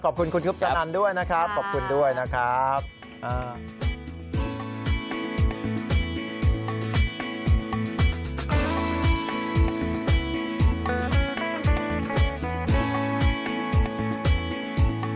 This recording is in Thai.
ขอบคุณคุณทุบจันทร์นั้นด้วยนะครับขอบคุณด้วยนะครับค่ะ